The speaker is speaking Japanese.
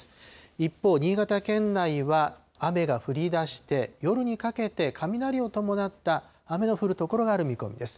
一方、新潟県内は雨が降りだして、夜にかけて雷を伴った雨の降る所がある見込みです。